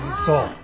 そう。